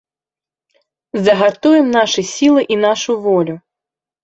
Загартуем нашы сілы і нашу волю!